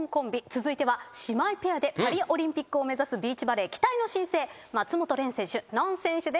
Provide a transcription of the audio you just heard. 続いては姉妹ペアでパリオリンピックを目指すビーチバレー期待の新星松本恋選手穏選手です。